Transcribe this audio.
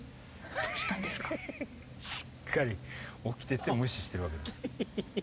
しっかり起きてて無視してるわけです。